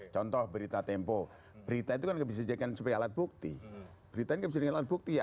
contoh berita tempo berita itu kan nggak bisa diberikan sebagai alat bukti berita ini nggak bisa diberikan sebagai alat bukti ya